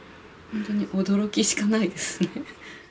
本当に驚きしかないですね。